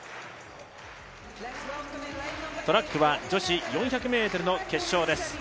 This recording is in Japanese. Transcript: トラックは女子４００ｍの決勝です。